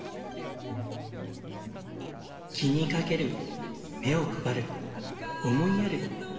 気にかける目を配る思いやる。